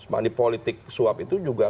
monipolitik suap itu juga